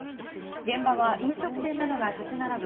現場は飲食店などが立ち並ぶ